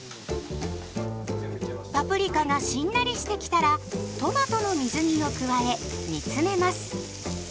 パプリカがしんなりしてきたらトマトの水煮を加え煮詰めます。